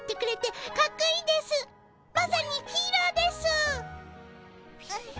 まさにヒーローですぅ！